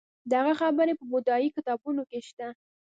د هغه خبرې په بودايي کتابونو کې شته